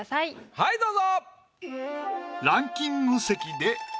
はいどうぞ！